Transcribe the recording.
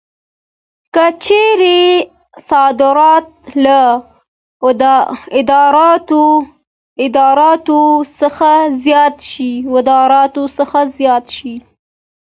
که چېرې صادرات له وارداتو څخه زیات شي